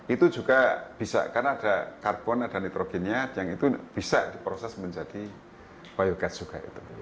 itu juga bisa karena ada karbon ada nitrogennya yang itu bisa diproses menjadi biogas juga